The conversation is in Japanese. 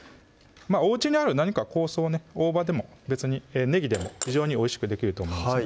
おうちにある何か香草ね大葉でも別にねぎでも非常においしくできると思います